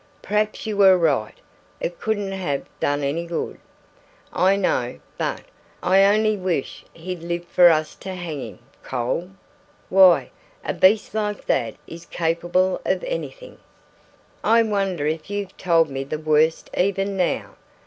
Perhaps you were right; it couldn't have done any good, I know; but I only wish he'd lived for us to hang him, Cole! Why, a beast like that is capable of anything: I wonder if you've told me the worst even now?"